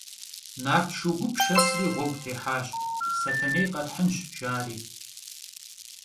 Nart şşu gup şşesri ğuegu têhaş: – Setenêy khethınş, – jjari.